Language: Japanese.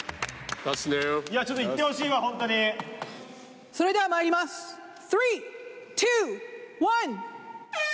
・ちょっと行ってほしいわホントに・それではまいりますスリーツーワン。